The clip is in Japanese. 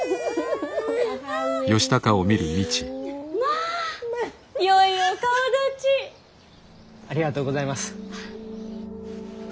ありがとうございます。